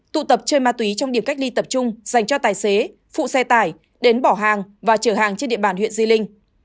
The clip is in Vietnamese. tụ tập chơi ma túy trong điểm cách ly tập trung dành cho tài xế phụ xe tải đến bỏ hàng và chở hàng trên địa bàn huyện di linh